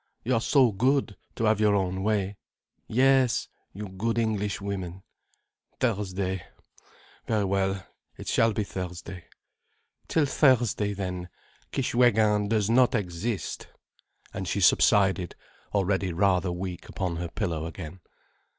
You are so good, to have your own way. Yes, you good Englishwomen. Thursday. Very well, it shall be Thursday. Till Thursday, then, Kishwégin does not exist." And she subsided, already rather weak, upon her pillow again.